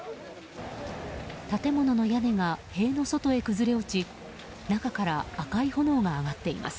建物の屋根が塀の外へ崩れ落ち中から赤い炎が上がっています。